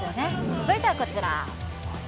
続いてはこちら。